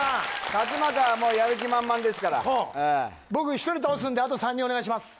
勝俣はもうやる気満々ですから僕１人倒すんであと３人お願いします